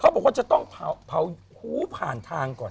บอกว่าจะต้องเผาหูผ่านทางก่อน